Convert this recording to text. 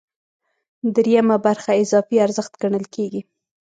درېیمه برخه اضافي ارزښت ګڼل کېږي